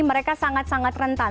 mereka sangat sangat rentan